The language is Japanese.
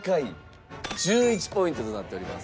１１ポイントとなっております。